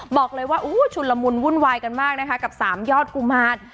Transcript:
บอกเลยว่าชุนละมุนวุ่นวายกันมากนะคะกับสามยอดกุมาร